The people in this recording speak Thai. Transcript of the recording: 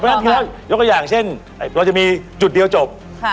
เชิญค่ะเชิญค่ะยกตัวอย่างเช่นเราจะมีจุดเดียวจบค่ะ